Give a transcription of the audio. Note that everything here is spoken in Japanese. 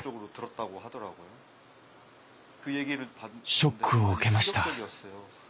ショックを受けました。